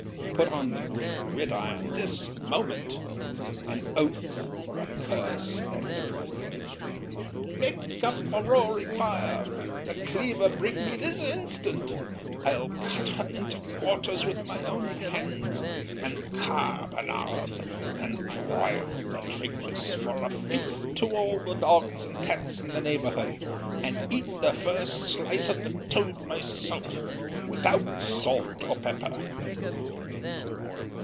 Put on the great gridiron this moment, [an oath or a curse at every word:] make up a roaring fire—the cleaver bring me this instant—I'll cut her into quarters with my own hands; and carbonade and broil the traitress for a feast to all the dogs and cats in the neighbourhood, and eat the first slice of the toad myself, without salt or pepper.